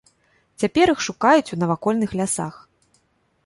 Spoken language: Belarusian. Цяпер іх шукаюць у навакольных лясах.